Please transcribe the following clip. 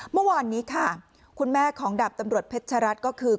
เมื่อวานนี้ค่ะคุณแม่ของดาบตำรวจเพชรัตน์ก็คือ